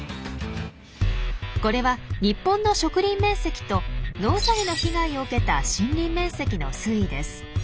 これは日本の植林面積とノウサギの被害を受けた森林面積の推移です。